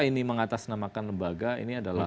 ini mengatasnamakan lembaga ini adalah